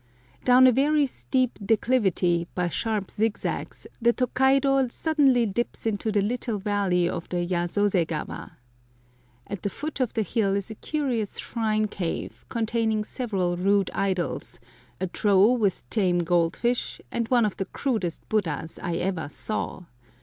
Down a very steep declivity, by sharp zigzags, the Tokaido suddenly dips into the little valley of the Yasose gawa. At the foot of the hill is a curious shrine cave, containing several rude idols, a trough with tame goldfish, and one of the crudest Buddhas I ever saw.